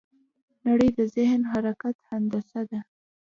نړۍ د ذهن د حرکت هندسه ده.